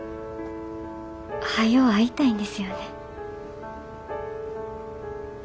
はよ会いたいんですよね。